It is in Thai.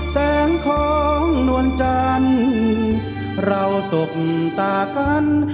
แสงของนวลจันทร์เราสบตากัน